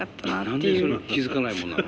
何でそれ気付かないもんなの？